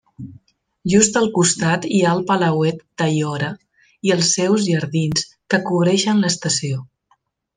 Just al costat hi ha el Palauet d'Aiora i els seus jardins, que cobreixen l'estació.